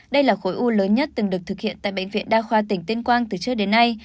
đây là khối u lớn nhất từng được thực hiện tại bệnh viện đa khoa tỉnh tuyên quang từ trước đến nay